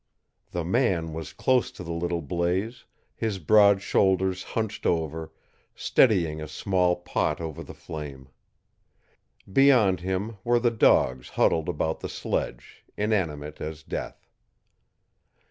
The man was close to the little blaze, his broad shoulders hunched over, steadying a small pot over the flame. Beyond him were the dogs huddled about the sledge, inanimate as death.